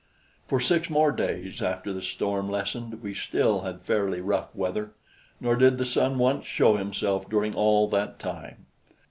For six more days after the storm lessened we still had fairly rough weather; nor did the sun once show himself during all that time.